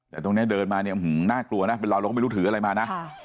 แต่ตรงนี้เดินมาเนี่ยน่ากลัวนะเป็นเราเราก็ไม่รู้ถืออะไรมานะ